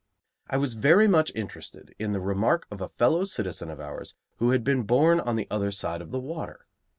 I was very much interested in the remark of a fellow citizen of ours who had been born on the other side of the water.